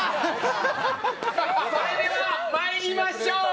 それでは参りましょう。